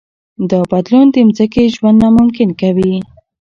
دا بدلون د ځمکې ژوند ناممکن کوي.